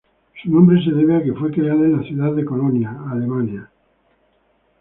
Su nombre se debe a que fue creada en la ciudad de Colonia, Alemania.